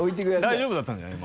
大丈夫だったんじゃない？